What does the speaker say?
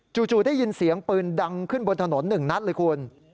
จู่ได้ยินเสียงปืนดังขึ้นบนถนน๑นัดเลยคุณ